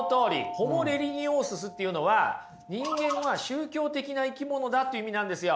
ホモ・レリギオーススっていうのは人間は宗教的な生き物だという意味なんですよ。